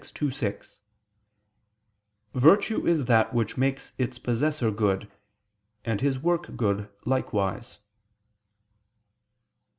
ii, 6): "Virtue is that which makes its possessor good, and his work good likewise."